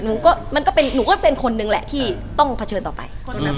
หนูก็เป็นคนนึงแหละที่ต้องเผชิญต่อไป